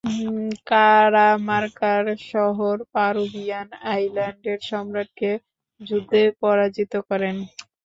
কারামার্কার শহর পারুভিয়ান আইল্যান্ডের সম্রাটকে যুদ্ধে পরাজিত করেন।